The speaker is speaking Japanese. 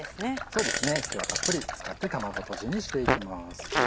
そうですね今日はたっぷり使って卵とじにしていきます。